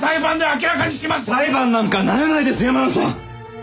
裁判になんかならないです山野さん！